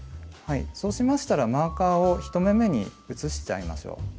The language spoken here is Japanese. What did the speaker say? そうしましたらマーカーを１目めに移しちゃいましょう。